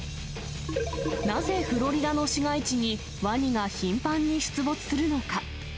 なぜフロリダの市街地にワニが頻繁に出没するのか。